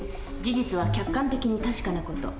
事実は客観的に確かな事。